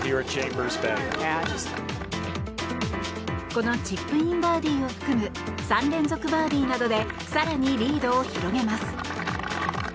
このチップインバーディーを含む３連続バーディーなどで更にリードを広げます。